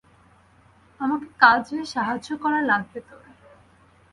আমাকে কাজে সাহায্য করা লাগবে তোর।